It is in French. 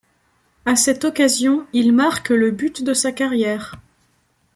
À cette occasion il marque le but de sa carrière.